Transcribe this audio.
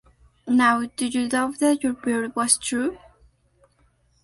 Now, do you doubt that your Bird was true?